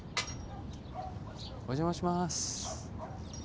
お邪魔します。